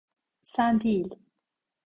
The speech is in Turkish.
Sen değil.